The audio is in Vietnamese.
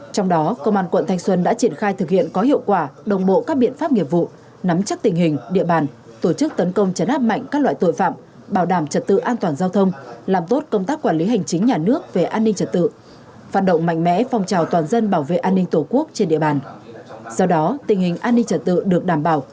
trong đó công an quận thanh xuân đã triển khai thực hiện có hiệu quả đồng bộ các biện pháp nghiệp vụ nắm chắc tình hình địa bàn tổ chức tấn công chấn áp mạnh các loại tội phạm bảo đảm trật tự an toàn giao thông làm tốt công tác quản lý hành chính nhà nước về an ninh trật tự phản động mạnh mẽ phòng trào toàn dân bảo vệ an ninh tổ quốc trên địa bàn